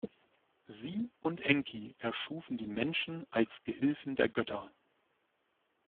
Sie und Enki erschufen die Menschen als Gehilfen der Götter.